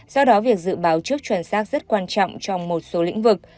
do đó việc dự báo trước chuẩn xác rất quan trọng trong một số lĩnh vực